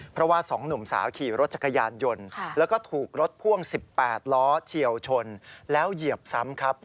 เพราะว่า๒หนุ่มสาวขี่รถจักรยานยนต์แล้วก็ถูกรถพ่วง๑๘ล้อเฉียวชนแล้วเหยียบซ้ำครับ